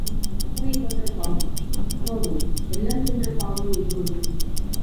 பூனை கொன்ற பாவம் உன்னோடு, வெல்லம் தின்ற பாவம் என்னோடு.